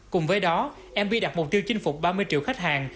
cùng với đó mv đặt mục tiêu chinh phục ba mươi triệu khách hàng